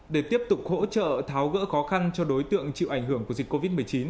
để tiếp tục hỗ trợ tháo gỡ khó khăn cho đối tượng chịu ảnh hưởng của dịch covid một mươi chín